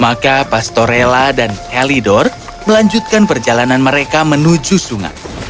maka pastorella dan elidor melanjutkan perjalanan mereka menuju sungai